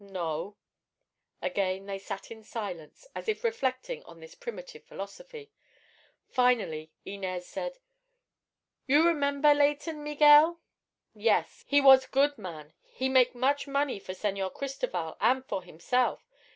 "No." Again they sat in silence, as if reflecting on this primitive philosophy. Finally Inez said: "You remember Leighton, Miguel?" "Yes. He was good man. He make much money for Señor Cristoval an' for heemself.